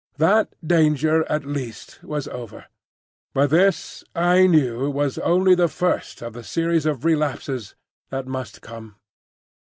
That danger at least was over; but this, I knew was only the first of the series of relapses that must come.